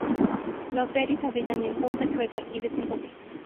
Los seris habitan en Punta Chueca y Desemboque.